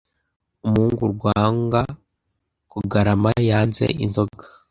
Umuhungu Rwanga kugarama yanze inzoga